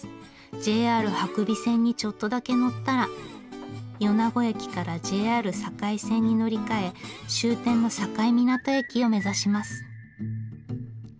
ＪＲ伯備線にちょっとだけ乗ったら米子駅からＪＲ境線に乗り換え終点の境港駅を目指します。